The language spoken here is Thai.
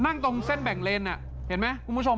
นั่งตรงเส้นแบ่งเลนเห็นไหมคุณผู้ชม